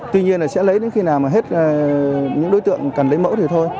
tuy nhiên là sẽ lấy những khi nào mà hết những đối tượng cần lấy mẫu thì thôi